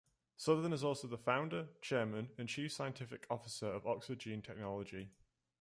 Southern is also the Founder, Chairman and chief scientific officer of Oxford Gene Technology.